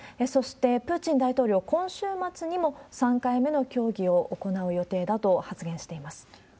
そして、プーチン大統領、今週末にも３回目の協議を行う予定だと発言しています。